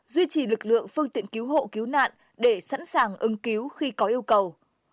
duy trì lực lượng phương tiện cứu hộ cứu nạn để sẵn sàng ứng cứu khi có yêu cầu